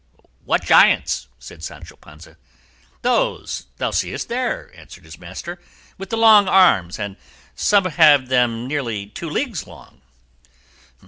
"What giants?" said Sancho Panza. "Those thou seest there," answered his master, "with the long arms, and some have them nearly two leagues long."